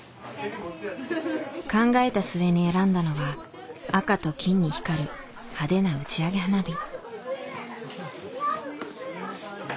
考えた末に選んだのは赤と金に光る派手な打ち上げ花火。